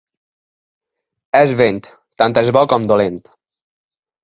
El vent, tant és bo com dolent.